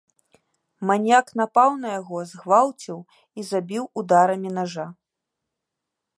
Маньяк напаў на яго, згвалціў і забіў ударамі нажа.